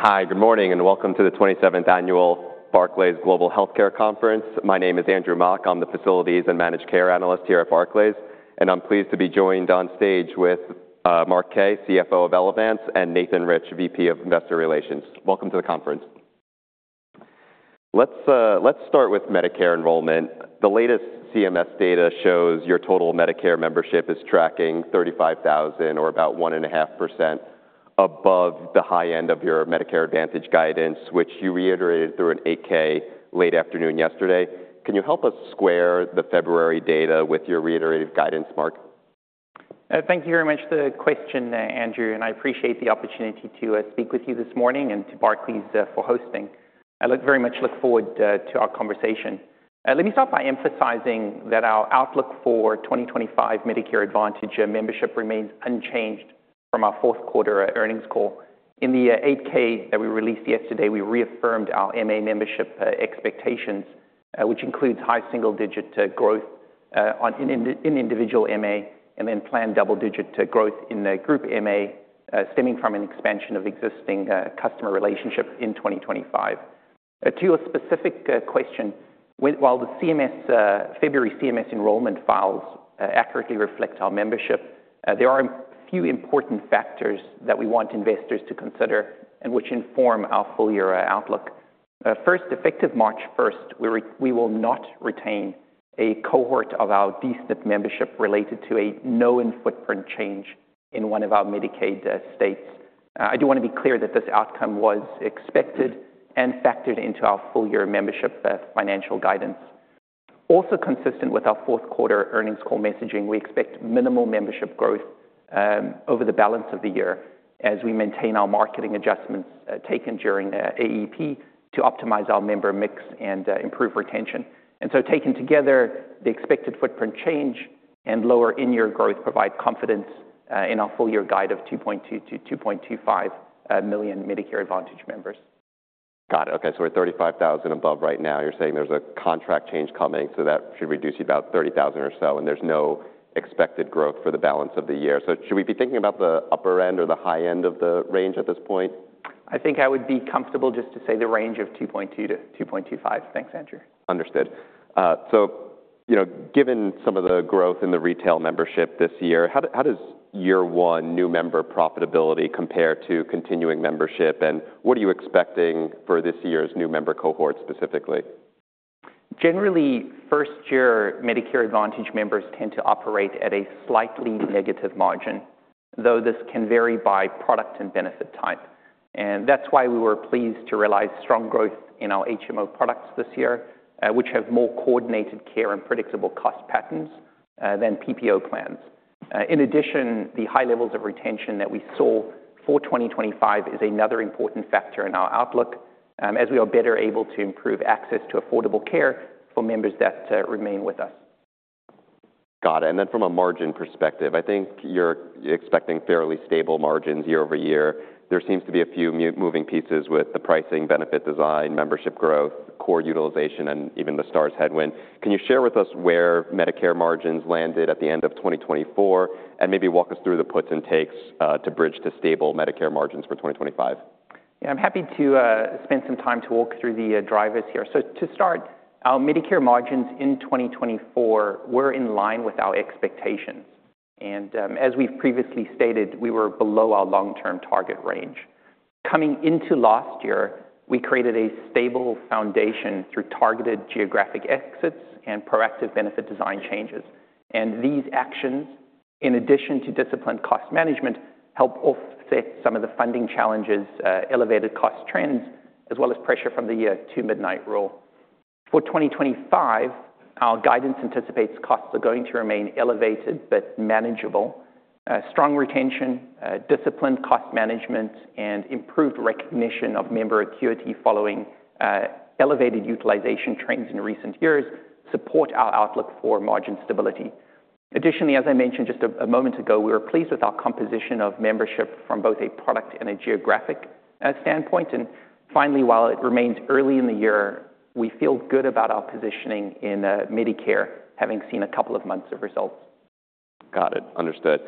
Hi, good morning, and welcome to the 27th Annual Barclays Global Healthcare Conference. My name is Andrew Mok. I'm the Facilities and Managed Care Analyst here at Barclays, and I'm pleased to be joined on stage with Mark Kaye, CFO of Elevance Health, and Nathan Rich, VP of Investor Relations. Welcome to the conference. Let's start with Medicare enrollment. The latest CMS data shows your total Medicare membership is tracking 35,000, or about 1.5% above the high end of your Medicare Advantage guidance, which you reiterated through an 8-K late afternoon yesterday. Can you help us square the February data with your reiterated guidance, Mark? Thank you very much for the question, Andrew, and I appreciate the opportunity to speak with you this morning and to Barclays for hosting. I very much look forward to our conversation. Let me start by emphasizing that our outlook for 2025 Medicare Advantage membership remains unchanged from our fourth quarter earnings call. In the 8-K that we released yesterday, we reaffirmed our MA membership expectations, which includes high single-digit growth in individual MA and then planned double-digit growth in group MA, stemming from an expansion of existing customer relationships in 2025. To your specific question, while the February CMS Enrollment Files accurately reflect our membership, there are a few important factors that we want investors to consider and which inform our full year outlook. First, effective March 1, we will not retain a cohort of our disenrolled membership related to a known footprint change in one of our Medicaid states. I do want to be clear that this outcome was expected and factored into our full year membership financial guidance. Also, consistent with our fourth quarter earnings call messaging, we expect minimal membership growth over the balance of the year as we maintain our marketing adjustments taken during AEP to optimize our member mix and improve retention. Taken together, the expected footprint change and lower in-year growth provide confidence in our full year guide of 2.2-2.25 million Medicare Advantage members. Got it. Okay, so we're 35,000 above right now. You're saying there's a contract change coming, so that should reduce you about 30,000 or so, and there's no expected growth for the balance of the year. Should we be thinking about the upper end or the high end of the range at this point? I think I would be comfortable just to say the range of 2.2-2.25. Thanks, Andrew. Understood. Given some of the growth in the retail membership this year, how does year one new member profitability compare to continuing membership, and what are you expecting for this year's new member cohort specifically? Generally, first year Medicare Advantage members tend to operate at a slightly negative margin, though this can vary by product and benefit type. That is why we were pleased to realize strong growth in our HMO products this year, which have more coordinated care and predictable cost patterns than PPO plans. In addition, the high levels of retention that we saw for 2025 is another important factor in our outlook as we are better able to improve access to affordable care for members that remain with us. Got it. From a margin perspective, I think you're expecting fairly stable margins year over year. There seems to be a few moving pieces with the pricing, benefit design, membership growth, core utilization, and even the Stars headwind. Can you share with us where Medicare margins landed at the end of 2024, and maybe walk us through the puts and takes to bridge to stable Medicare margins for 2025? Yeah, I'm happy to spend some time to walk through the drivers here. To start, our Medicare margins in 2024 were in line with our expectations. As we've previously stated, we were below our long-term target range. Coming into last year, we created a stable foundation through targeted geographic exits and proactive benefit design changes. These actions, in addition to disciplined cost management, help offset some of the funding challenges, elevated cost trends, as well as pressure from the Two-Midnight Rule. For 2025, our guidance anticipates costs are going to remain elevated but manageable. Strong retention, disciplined cost management, and improved recognition of member acuity following elevated utilization trends in recent years support our outlook for margin stability. Additionally, as I mentioned just a moment ago, we were pleased with our composition of membership from both a product and a geographic standpoint. Finally, while it remains early in the year, we feel good about our positioning in Medicare, having seen a couple of months of results. Got it. Understood.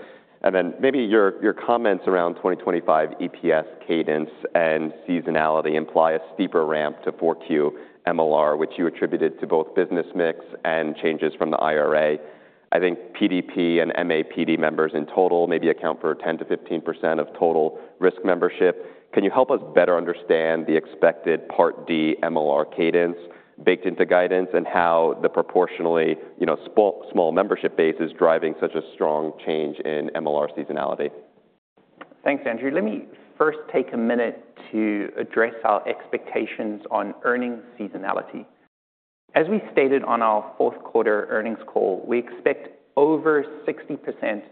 Maybe your comments around 2025 EPS cadence and seasonality imply a steeper ramp to 4Q MLR, which you attributed to both business mix and changes from the IRA. I think PDP and MAPD members in total maybe account for 10-15% of total risk membership. Can you help us better understand the expected Part D MLR cadence baked into guidance and how the proportionally small membership base is driving such a strong change in MLR seasonality? Thanks, Andrew. Let me first take a minute to address our expectations on earnings seasonality. As we stated on our fourth quarter earnings call, we expect over 60%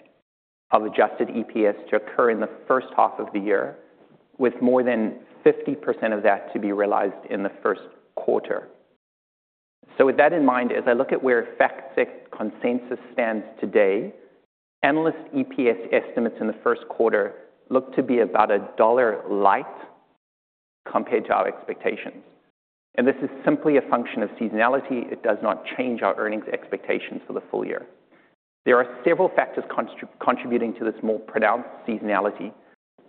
of adjusted EPS to occur in the first half of the year, with more than 50% of that to be realized in the first quarter. With that in mind, as I look at where FactSet consensus stands today, analyst EPS estimates in the first quarter look to be about a dollar light compared to our expectations. This is simply a function of seasonality. It does not change our earnings expectations for the full year. There are several factors contributing to this more pronounced seasonality.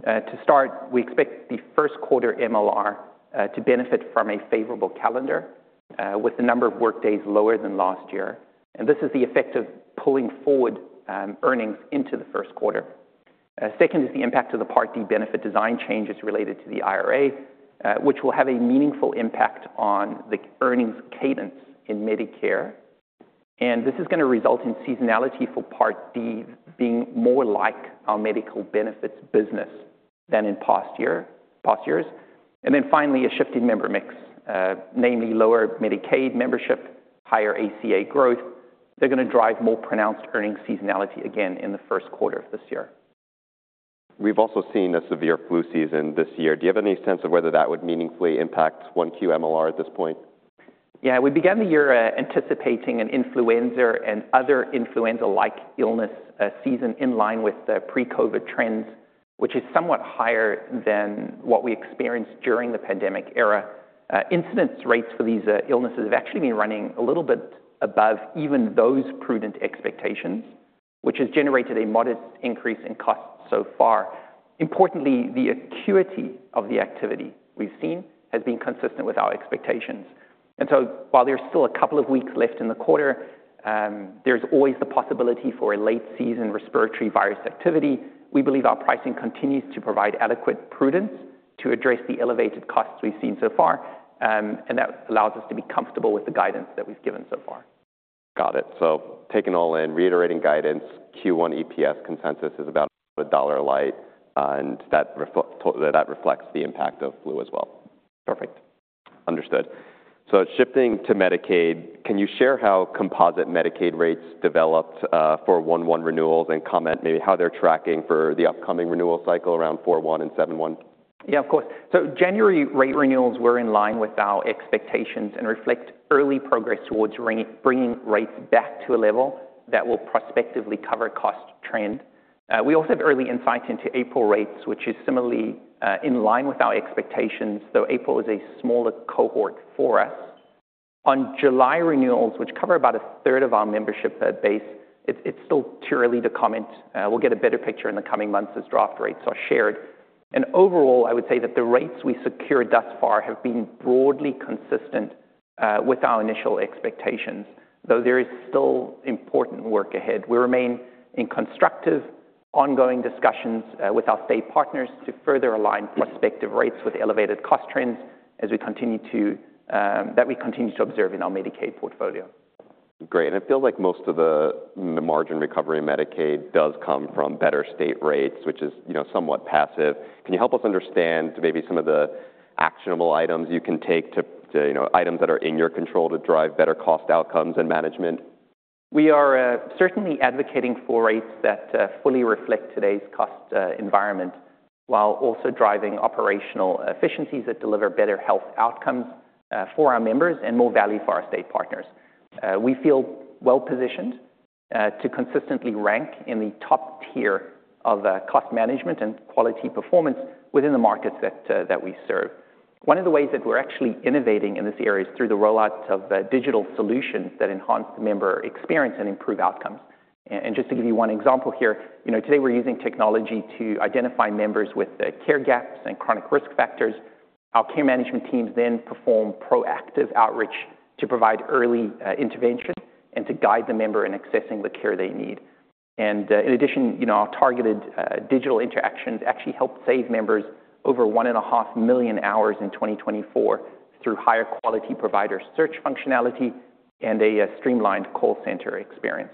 To start, we expect the first quarter MLR to benefit from a favorable calendar with the number of workdays lower than last year. This is the effect of pulling forward earnings into the first quarter. Second is the impact of the Part D benefit design changes related to the IRA, which will have a meaningful impact on the earnings cadence in Medicare. This is going to result in seasonality for Part D being more like our medical benefits business than in past years. Finally, a shift in member mix, namely lower Medicaid membership, higher ACA growth, is going to drive more pronounced earnings seasonality again in the first quarter of this year. We've also seen a severe flu season this year. Do you have any sense of whether that would meaningfully impact 1Q MLR at this point? Yeah, we began the year anticipating an influenza and other influenza-like illness season in line with the pre-COVID trends, which is somewhat higher than what we experienced during the pandemic era. Incidence rates for these illnesses have actually been running a little bit above even those prudent expectations, which has generated a modest increase in costs so far. Importantly, the acuity of the activity we have seen has been consistent with our expectations. While there is still a couple of weeks left in the quarter, there is always the possibility for a late season respiratory virus activity. We believe our pricing continues to provide adequate prudence to address the elevated costs we have seen so far, and that allows us to be comfortable with the guidance that we have given so far. Got it. Taking all in, reiterating guidance, Q1 EPS Consensus is about a dollar light, and that reflects the impact of flu as well. Perfect. Understood. Shifting to Medicaid, can you share how composite Medicaid rates developed for 1-1 renewals and comment maybe how they're tracking for the upcoming renewal cycle around 4-1 and 7-1? Of course. January rate renewals were in line with our expectations and reflect early progress towards bringing rates back to a level that will prospectively cover cost trend. We also have early insight into April rates, which is similarly in line with our expectations, though April is a smaller cohort for us. On July renewals, which cover about a third of our membership base, it's still too early to comment. We'll get a better picture in the coming months as draft rates are shared. Overall, I would say that the rates we secured thus far have been broadly consistent with our initial expectations, though there is still important work ahead. We remain in constructive ongoing discussions with our state partners to further align prospective rates with elevated cost trends that we continue to observe in our Medicaid portfolio. Great. It feels like most of the margin recovery in Medicaid does come from better state rates, which is somewhat passive. Can you help us understand maybe some of the actionable items you can take to items that are in your control to drive better cost outcomes and management? We are certainly advocating for rates that fully reflect today's cost environment while also driving operational efficiencies that deliver better health outcomes for our members and more value for our state partners. We feel well positioned to consistently rank in the top tier of cost management and quality performance within the markets that we serve. One of the ways that we're actually innovating in this area is through the rollout of digital solutions that enhance the member experience and improve outcomes. Just to give you one example here, today we're using technology to identify members with care gaps and chronic risk factors. Our care management teams then perform proactive outreach to provide early intervention and to guide the member in accessing the care they need. In addition, our targeted digital interactions actually helped save members over 1.5 million hours in 2024 through higher quality provider search functionality and a streamlined call center experience.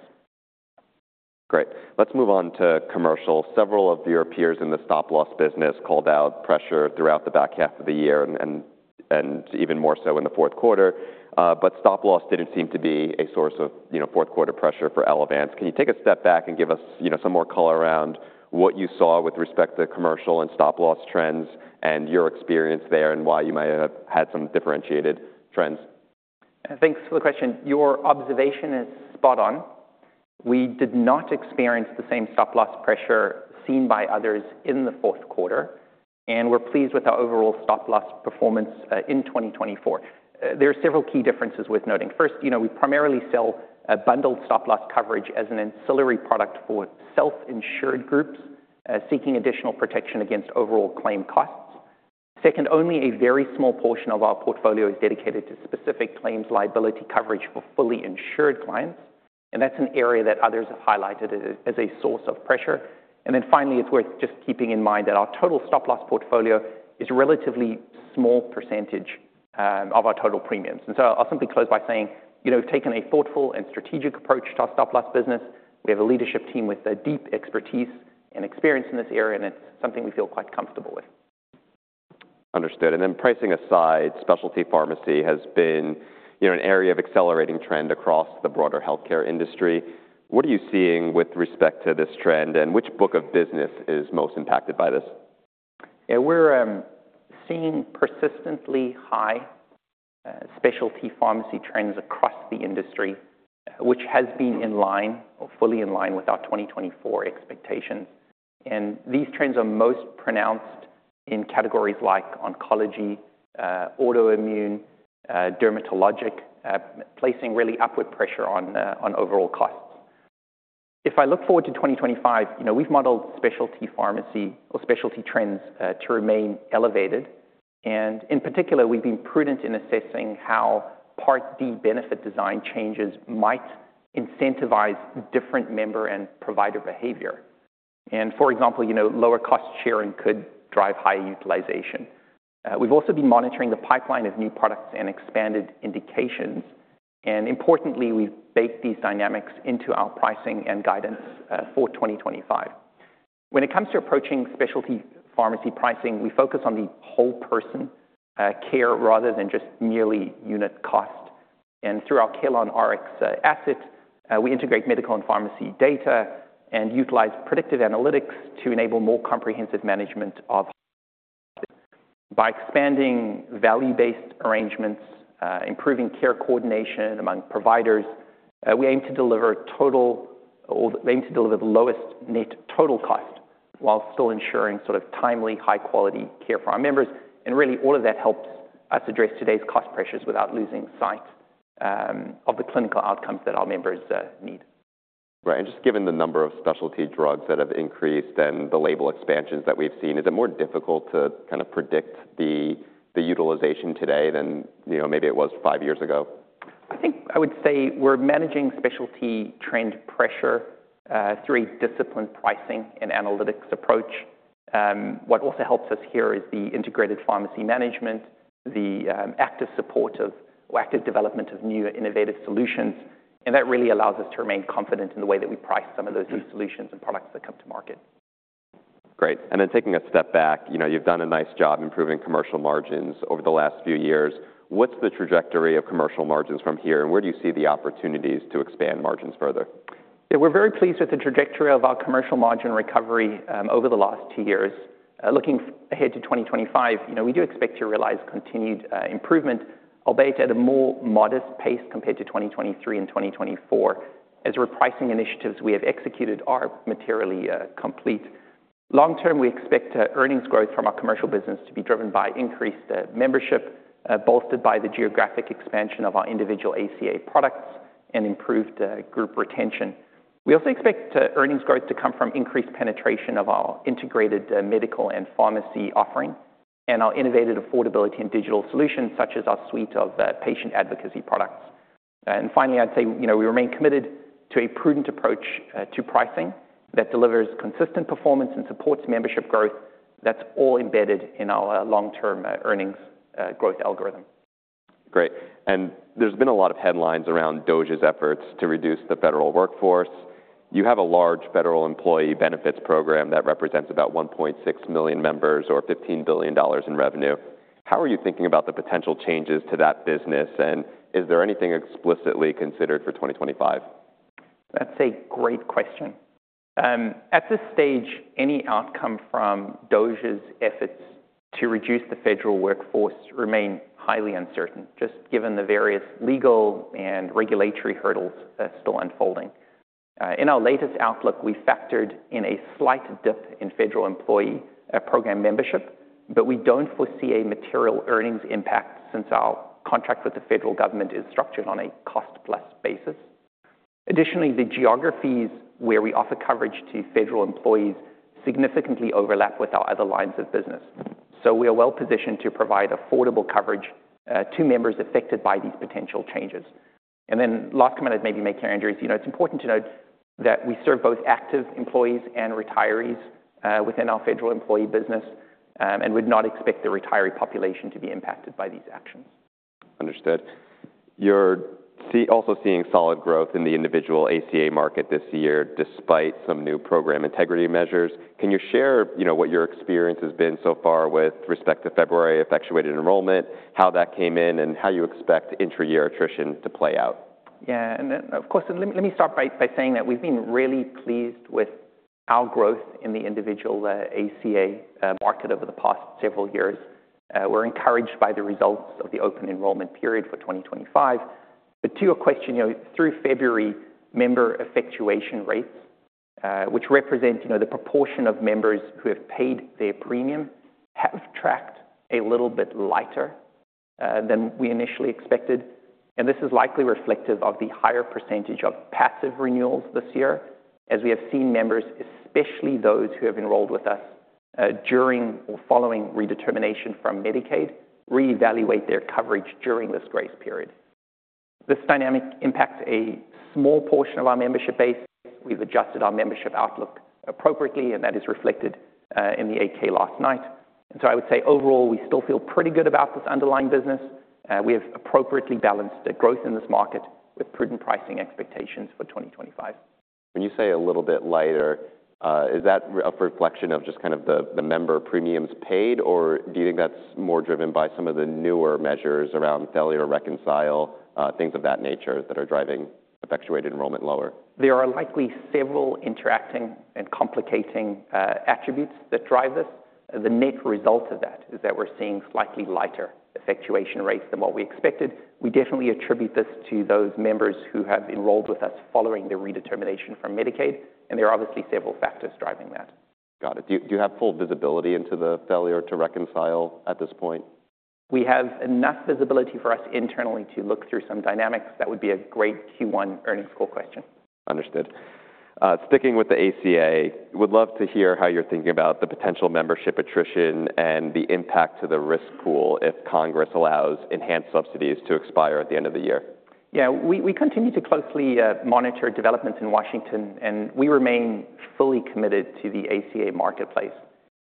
Great. Let's move on to commercial. Several of your peers in the stop-loss business called out pressure throughout the back half of the year and even more so in the fourth quarter. Stop-loss didn't seem to be a source of fourth quarter pressure for Elevance. Can you take a step back and give us some more color around what you saw with respect to commercial and stop-loss trends and your experience there and why you might have had some differentiated trends? Thanks for the question. Your observation is spot on. We did not experience the same stop-loss pressure seen by others in the fourth quarter, and we're pleased with our overall stop-loss performance in 2024. There are several key differences worth noting. First, we primarily sell bundled stop-loss coverage as an ancillary product for self-insured groups seeking additional protection against overall claim costs. Second, only a very small portion of our portfolio is dedicated to specific claims liability coverage for fully insured clients. That is an area that others have highlighted as a source of pressure. Finally, it is worth just keeping in mind that our total stop-loss portfolio is a relatively small percentage of our total premiums. I'll simply close by saying we've taken a thoughtful and strategic approach to our stop-loss business. We have a leadership team with deep expertise and experience in this area, and it's something we feel quite comfortable with. Understood. Pricing aside, specialty pharmacy has been an area of accelerating trend across the broader healthcare industry. What are you seeing with respect to this trend, and which book of business is most impacted by this? Yeah, we're seeing persistently high specialty pharmacy trends across the industry, which has been in line or fully in line with our 2024 expectations. These trends are most pronounced in categories like oncology, autoimmune, dermatologic, placing really upward pressure on overall costs. If I look forward to 2025, we've modeled specialty pharmacy or specialty trends to remain elevated. In particular, we've been prudent in assessing how Part D benefit design changes might incentivize different member and provider behavior. For example, lower cost sharing could drive higher utilization. We've also been monitoring the pipeline of new products and expanded indications. Importantly, we've baked these dynamics into our pricing and guidance for 2025. When it comes to approaching specialty pharmacy pricing, we focus on the whole person care rather than just merely unit cost. Through our CarelonRx asset, we integrate medical and pharmacy data and utilize predictive analytics to enable more comprehensive management of health by expanding value-based arrangements, improving care coordination among providers. We aim to deliver total, or we aim to deliver the lowest net total cost while still ensuring sort of timely, high-quality care for our members. Really, all of that helps us address today's cost pressures without losing sight of the clinical outcomes that our members need. Right. Just given the number of specialty drugs that have increased and the label expansions that we've seen, is it more difficult to kind of predict the utilization today than maybe it was five years ago? I think I would say we're managing specialty trend pressure through a disciplined pricing and analytics approach. What also helps us here is the integrated pharmacy management, the active support of active development of new innovative solutions. That really allows us to remain confident in the way that we price some of those new solutions and products that come to market. Great. Taking a step back, you've done a nice job improving commercial margins over the last few years. What's the trajectory of commercial margins from here, and where do you see the opportunities to expand margins further? Yeah, we're very pleased with the trajectory of our commercial margin recovery over the last two years. Looking ahead to 2025, we do expect to realize continued improvement, albeit at a more modest pace compared to 2023 and 2024, as repricing initiatives we have executed are materially complete. Long term, we expect earnings growth from our commercial business to be driven by increased membership bolstered by the geographic expansion of our individual ACA products and improved group retention. We also expect earnings growth to come from increased penetration of our integrated medical and pharmacy offering and our innovative affordability and digital solutions, such as our suite of patient advocacy products. Finally, I'd say we remain committed to a prudent approach to pricing that delivers consistent performance and supports membership growth. That's all embedded in our long-term earnings growth algorithm. Great. There has been a lot of headlines around DOGE's efforts to reduce the federal workforce. You have a large federal employee benefits program that represents about 1.6 million members or $15 billion in revenue. How are you thinking about the potential changes to that business, and is there anything explicitly considered for 2025? That's a great question. At this stage, any outcome from DOGE's efforts to reduce the federal workforce remains highly uncertain, just given the various legal and regulatory hurdles still unfolding. In our latest outlook, we factored in a slight dip in federal employee program membership, but we don't foresee a material earnings impact since our contract with the federal government is structured on a cost-plus basis. Additionally, the geographies where we offer coverage to federal employees significantly overlap with our other lines of business. We are well positioned to provide affordable coverage to members affected by these potential changes. The last comment I'd maybe make here, Andrew, is it's important to note that we serve both active employees and retirees within our federal employee business, and we'd not expect the retiree population to be impacted by these actions. Understood. You're also seeing solid growth in the individual ACA market this year, despite some new program integrity measures. Can you share what your experience has been so far with respect to February effectuated enrollment, how that came in, and how you expect intra-year attrition to play out? Yeah. Let me start by saying that we've been really pleased with our growth in the individual ACA market over the past several years. We're encouraged by the results of the open enrollment period for 2025. To your question, through February, member effectuation rates, which represent the proportion of members who have paid their premium, have tracked a little bit lighter than we initially expected. This is likely reflective of the higher percentage of passive renewals this year, as we have seen members, especially those who have enrolled with us during or following redetermination from Medicaid, reevaluate their coverage during this grace period. This dynamic impacts a small portion of our membership base. We've adjusted our membership outlook appropriately, and that is reflected in the 8-K last night. I would say overall, we still feel pretty good about this underlying business. We have appropriately balanced the growth in this market with prudent pricing expectations for 2025. When you say a little bit lighter, is that a reflection of just kind of the member premiums paid, or do you think that's more driven by some of the newer measures around failure to reconcile, things of that nature that are driving effectuated enrollment lower? There are likely several interacting and complicating attributes that drive this. The net result of that is that we're seeing slightly lighter effectuation rates than what we expected. We definitely attribute this to those members who have enrolled with us following the redetermination from Medicaid, and there are obviously several factors driving that. Got it. Do you have full visibility into the failure to reconcile at this point? We have enough visibility for us internally to look through some dynamics. That would be a great Q1 earnings call question. Understood. Sticking with the ACA, would love to hear how you're thinking about the potential membership attrition and the impact to the risk pool if Congress allows enhanced subsidies to expire at the end of the year. Yeah, we continue to closely monitor developments in Washington, and we remain fully committed to the ACA marketplace.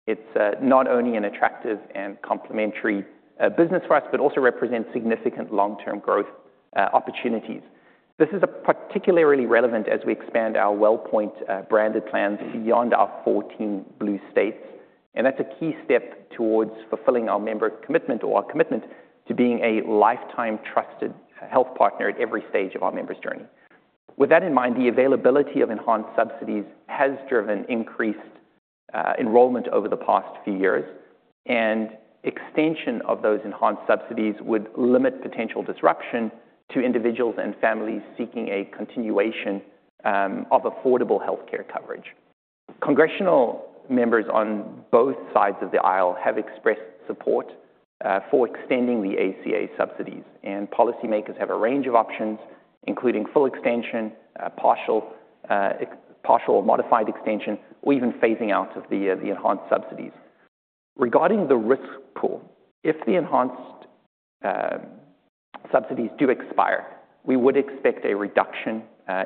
It's not only an attractive and complementary business for us, but also represents significant long-term growth opportunities. This is particularly relevant as we expand our Wellpoint branded plans beyond our 14 Blue states. That's a key step towards fulfilling our member commitment or our commitment to being a lifetime trusted health partner at every stage of our members' journey. With that in mind, the availability of enhanced subsidies has driven increased enrollment over the past few years. Extension of those enhanced subsidies would limit potential disruption to individuals and families seeking a continuation of affordable healthcare coverage. Congressional members on both sides of the aisle have expressed support for extending the ACA subsidies, and policymakers have a range of options, including full extension, partial or modified extension, or even phasing out of the enhanced subsidies. Regarding the risk pool, if the enhanced subsidies do expire, we would expect a reduction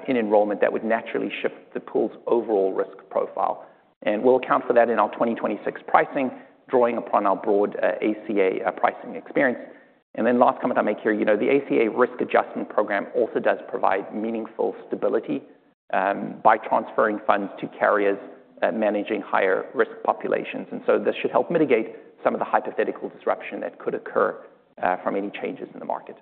in enrollment that would naturally shift the pool's overall risk profile. We will account for that in our 2026 pricing, drawing upon our broad ACA pricing experience. The last comment I make here, the ACA risk adjustment program also does provide meaningful stability by transferring funds to carriers managing higher risk populations. This should help mitigate some of the hypothetical disruption that could occur from any changes in the market.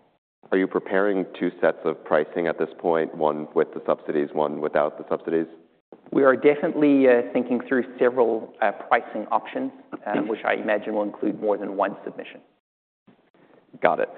Are you preparing two sets of pricing at this point, one with the subsidies, one without the subsidies? We are definitely thinking through several pricing options, which I imagine will include more than one submission. Got it.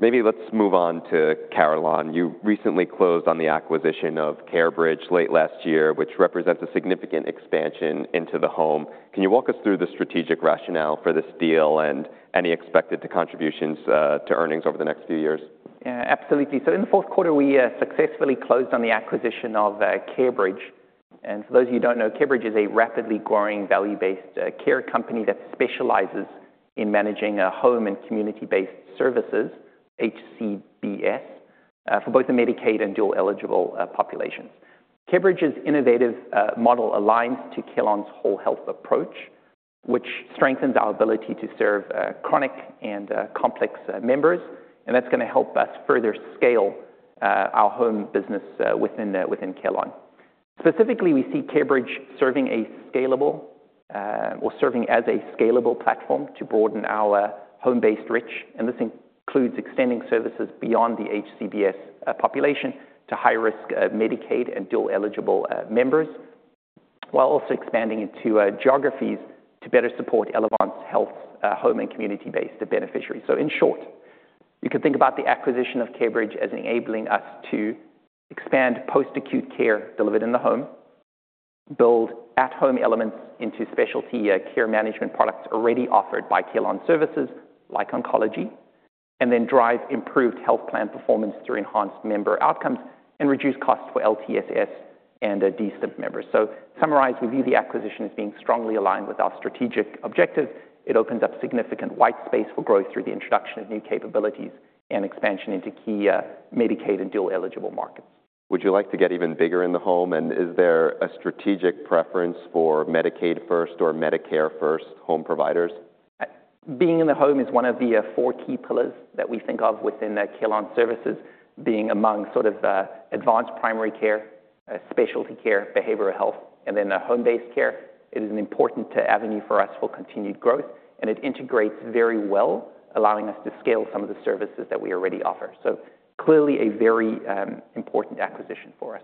Maybe let's move on to Carelon. You recently closed on the acquisition of CareBridge late last year, which represents a significant expansion into the home. Can you walk us through the strategic rationale for this deal and any expected contributions to earnings over the next few years? Yeah, absolutely. In the fourth quarter, we successfully closed on the acquisition of CareBridge. For those of you who do not know, CareBridge is a rapidly growing value-based care company that specializes in managing home and community-based services, HCBS, for both the Medicaid and dual eligible populations. CareBridge's innovative model aligns to Carelon's whole health approach, which strengthens our ability to serve chronic and complex members. That is going to help us further scale our home business within Carelon. Specifically, we see CareBridge serving as a scalable platform to broaden our home-based reach. This includes extending services beyond the HCBS population to high-risk Medicaid and dual eligible members, while also expanding into geographies to better support Elevance Health's home and community-based beneficiaries. In short, you can think about the acquisition of CareBridge as enabling us to expand post-acute care delivered in the home, build at-home elements into specialty care management products already offered by Carelon Services like oncology, and then drive improved health plan performance through enhanced member outcomes and reduce costs for LTSS and D-SNP members. Summarized, we view the acquisition as being strongly aligned with our strategic objective. It opens up significant white space for growth through the introduction of new capabilities and expansion into key Medicaid and dual eligible markets. Would you like to get even bigger in the home? Is there a strategic preference for Medicaid-first or Medicare-first home providers? Being in the home is one of the four key pillars that we think of within Carelon Services, being among sort of advanced primary care, specialty care, behavioral health, and then home-based care. It is an important avenue for us for continued growth, and it integrates very well, allowing us to scale some of the services that we already offer. Clearly, a very important acquisition for us.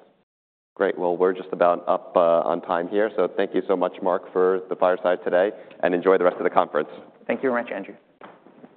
Great. We are just about up on time here. Thank you so much, Mark, for the fireside today, and enjoy the rest of the conference. Thank you very much, Andrew.